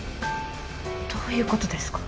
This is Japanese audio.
どういうことですか？